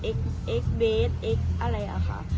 โอลิฟต์เอกเบสอะไรอะค่ะ